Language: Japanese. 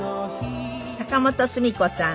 坂本スミ子さん